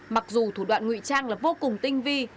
mặc dù thủ đoạn ngụy trang là vô cùng tinh vi